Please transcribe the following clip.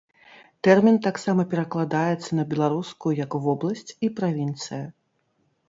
Тэрмін таксама перакладаецца на беларускую як вобласць і правінцыя.